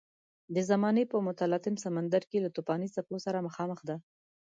د زمانې په متلاطم سمندر کې له توپاني څپو سره مخامخ ده.